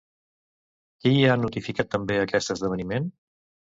Qui ha notificat també aquest esdeveniment?